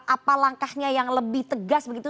apa langkahnya yang lebih tegas begitu